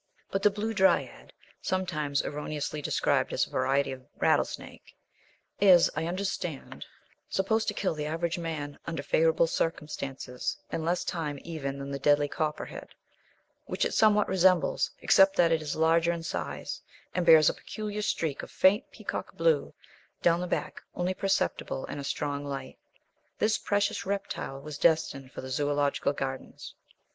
But the Blue Dryad, sometimes erroneously described as a variety of rattlesnake, is, I understand, supposed to kill the average man, under favourable circumstances, in less time even than the deadly Copperhead which it somewhat resembles, except that it is larger in size, and bears a peculiar streak of faint peacock blue down the back, only perceptible in a strong light. This precious reptile was destined for the Zoological Gardens.